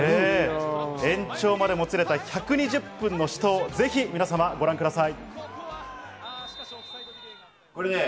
延長までもつれ込んだ１２０分の死闘をぜひ皆様ご覧ください。